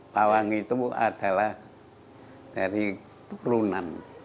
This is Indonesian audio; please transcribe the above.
pawang itu adalah dari turunan